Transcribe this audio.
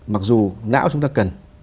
mặc dù não chúng ta cần